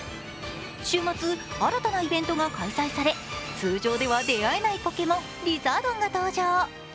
週末、新たなイベントが開催され、通常では出会えないポケモンリザードンが登場。